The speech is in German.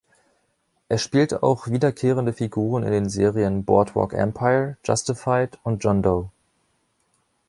Er spielte auch wiederkehrende Figuren in den Serien „Boardwalk Empire“, „Justified“ und „John Doe“.